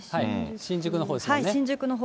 新宿のほうですね。